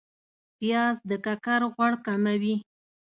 پیاز د ککر غوړ کموي